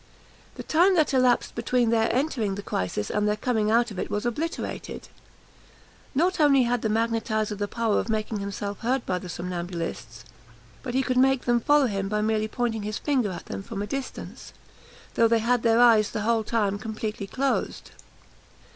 The time that elapsed between their entering the crisis and their coming out of it was obliterated. Not only had the magnetiser the power of making himself heard by the somnambulists, but he could make them follow him by merely pointing his finger at them from a distance, though they had their eyes the whole time completely closed.